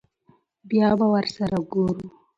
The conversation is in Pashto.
بيا به ور سره ګورو.